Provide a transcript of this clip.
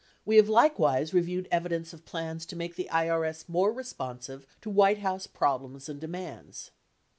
We have likewise reviewed evidence of plans to make the IRS more responsive to White House problems and demands.